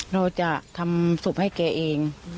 เราจะทำศพให้แกเอง